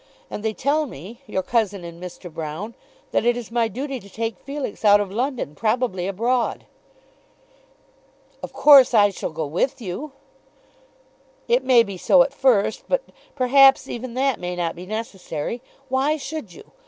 And they tell me, your cousin and Mr. Broune, that it is my duty to take Felix out of London, probably abroad." "Of course I shall go with you." "It may be so at first; but, perhaps, even that may not be necessary. Why should you?